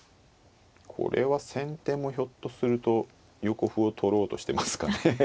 これは先手もひょっとすると横歩を取ろうとしてますかね。